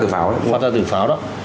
phát ra từ pháo đó